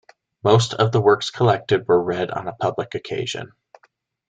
Most of the works collected were read on a public occasion.